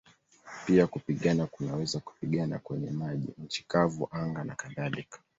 Pia kupigana kunaweza kupigana kwenye maji, nchi kavu, anga nakadhalika.